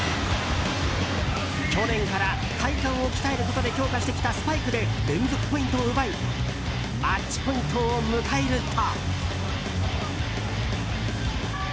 去年から体幹を鍛えることで強化してきたスパイクで連続ポイントを奪いマッチポイントを迎えると。